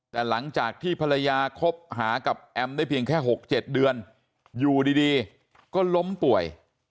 แต่หลังจากที่ภรรยาคบหากับแอมได้เพียงแค่๖๗เดือนอยู่ดีก็ล้มป่วย